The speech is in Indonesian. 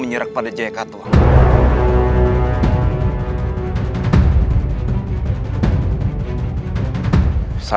menghargai kesederuan swasta